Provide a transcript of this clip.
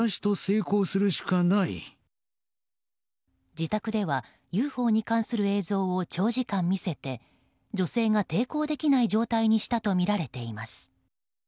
自宅ではＵＦＯに関する映像を長時間見せて女性が抵抗できない状態にしたとみられています。